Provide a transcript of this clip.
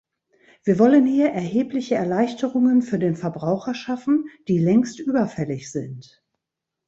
Wir wollen hier erhebliche Erleichterungen für den Verbraucher schaffen, die längst überfällig sind.